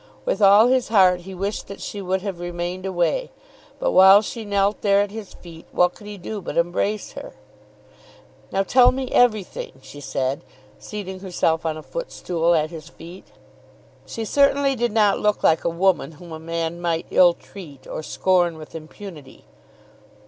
With all his heart he wished that she would have remained away, but while she knelt there at his feet what could he do but embrace her? "Now tell me everything," she said, seating herself on a footstool at his feet. [Illustration: "I have come across the Atlantic to see you."] She certainly did not look like a woman whom a man might ill treat or scorn with impunity.